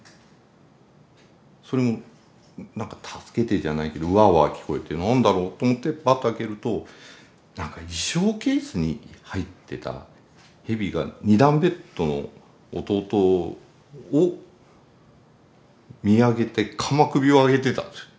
それもなんか「助けて」じゃないけどワーワー聞こえて何だろうと思ってパッと開けるとなんか衣装ケースに入ってたヘビが二段ベッドの弟を見上げて鎌首を上げてたんですよ。